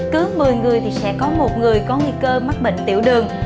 cứ một mươi người thì sẽ có một người có nguy cơ mắc bệnh tiểu đường